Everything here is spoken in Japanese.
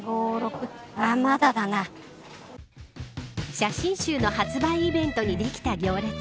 写真集の発売イベントにできた行列。